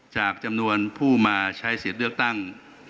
จำนวนผู้มาใช้สิทธิ์เลือกตั้ง